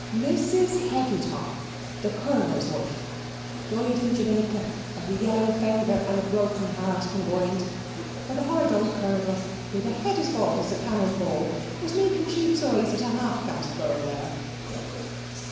"Mrs. Heavytop, the Colonel's wife, died in Jamaica of the yellow faver and a broken heart comboined, for the horrud old Colonel, with a head as bald as a cannon ball, was making sheep's eyes at a half caste girl there.